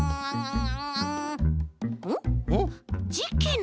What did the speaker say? ん？